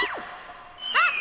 あっ！